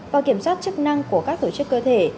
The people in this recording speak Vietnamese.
và kiểm soát chức năng của các tổ chức cơ thể